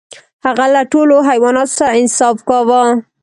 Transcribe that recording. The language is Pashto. هغه له ټولو حیواناتو سره انصاف کاوه.